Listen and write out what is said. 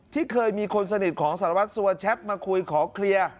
ที่เคยมีคนสนิทของสารวัตรสัวแชทมาคุยขอเคลียร์